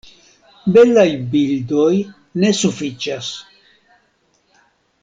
Belaj bildoj ne sufiĉas!